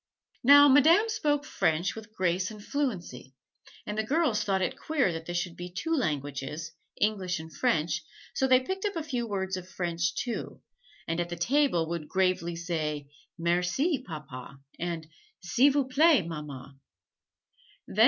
Now Madame spoke French with grace and fluency, and the girls thought it queer that there should be two languages English and French so they picked up a few words of French, too, and at the table would gravely say "Merci, Papa," and "S'il vous plait, Mamma."